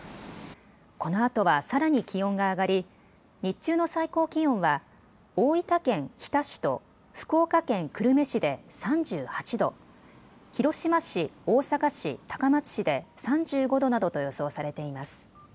このあとはさらに気温が上がり日中の最高気温は大分県日田市と福岡県久留米市で３８度、広島市、大阪市、高松市で３５度などと予想されています。